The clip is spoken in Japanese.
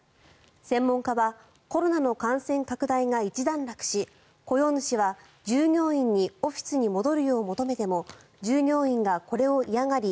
専門家はコロナの感染拡大が一段落し雇用主は従業員にオフィスに戻るよう求めても従業員がこれを嫌がり